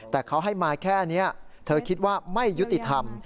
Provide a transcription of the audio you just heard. แต่เขาให้มาแค่นี้เธอคิดว่าไม่ยุติธรรม